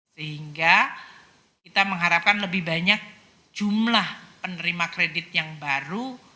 sehingga kita mengharapkan lebih banyak jumlah penerima kredit yang baru